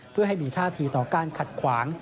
เพื่อให้มีท่าทีต่อการขัดขวาง